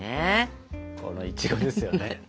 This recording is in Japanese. このいちごですよね。